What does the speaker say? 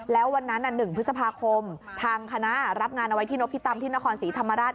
แล้ววันนั้น๑พฤษภาคมทางคณะรับงานเอาไว้ที่นพิตำที่นครศรีธรรมราช